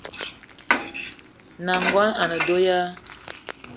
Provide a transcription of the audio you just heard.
N’nagono a ne do ya ?